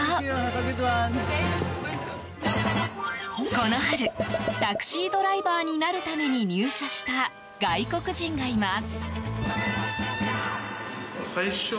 この春タクシードライバーになるために入社した外国人がいます。